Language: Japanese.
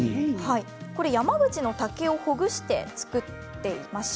山口の竹をほぐして作っています。